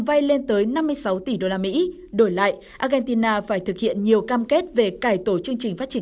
vay lên tới năm mươi sáu tỷ usd đổi lại argentina phải thực hiện nhiều cam kết về cải tổ chương trình phát triển